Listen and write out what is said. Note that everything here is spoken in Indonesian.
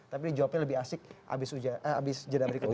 tapi ini jawabnya lebih asik abis jadah berikut ini